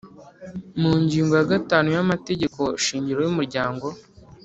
mu ngingo ya gatanu y amategeko shingiro y umuryango